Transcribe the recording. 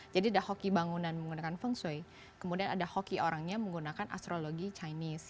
jadi ada hoki bangunan menggunakan feng shui kemudian ada hoki orangnya menggunakan astrologi chinese